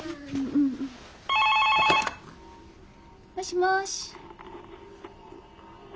☎☎もしもし。